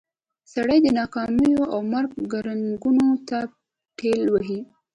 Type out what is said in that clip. سړی د ناکاميو او مرګ ګړنګونو ته ټېل وهي.